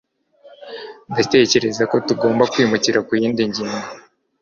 Ndatekereza ko tugomba kwimukira ku yindi ngingo.